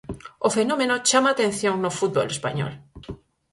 O fenómeno chama a atención no fútbol español.